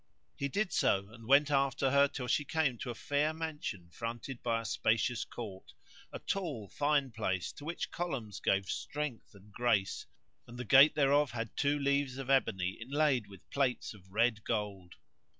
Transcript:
He did so and went after her till she came to a fair mansion fronted by a spacious court, a tall, fine place to which columns gave strength and grace: and the gate thereof had two leaves of ebony inlaid with plates of red gold.